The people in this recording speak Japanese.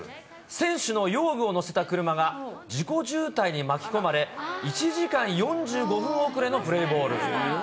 選手の用具を載せた車が事故渋滞に巻き込まれ、１時間４５分遅れのプレーボール。